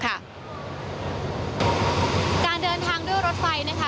การเดินทางด้วยรถไฟนะคะ